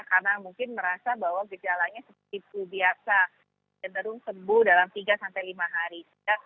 karena mungkin merasa bahwa gejalanya seperti biasa cenderung sembuh dalam tiga sampai lima hari